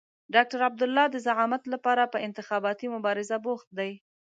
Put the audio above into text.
ډاکټر عبدالله د زعامت لپاره په انتخاباتي مبارزه بوخت دی.